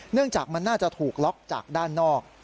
เนื่องจากมันน่าจะถูกล็อกจากด้านนอก